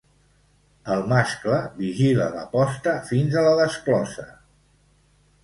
El mascle vigila la posta fins a la desclosa.